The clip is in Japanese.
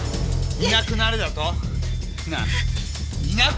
「いなくなれ」だと！？